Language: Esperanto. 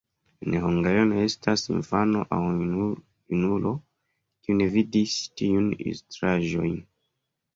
En Hungario ne estas infano aŭ junulo, kiu ne vidis tiujn ilustraĵojn.